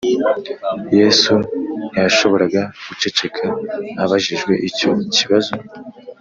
yesu ntiyashoboraga guceceka abajijwe icyo kibazo